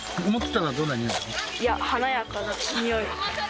いや、華やかなにおい。